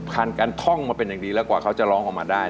ผ่านการท่องมาเป็นอย่างดีแล้วกว่าเขาจะร้องออกมาได้